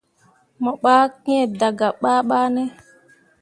Mo ɓah kiŋ dah gah babane.